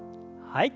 はい。